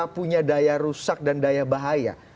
punya daya rusak dan daya bahaya